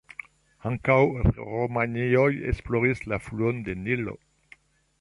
Ankaŭ romianoj esploris la fluon de Nilo.